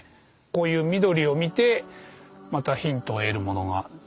こういう緑を見てまたヒントを得るものがたくさんあって。